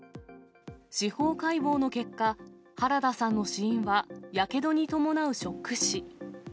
司法解剖の結果、原田さんの死因はやけどに伴うショック死。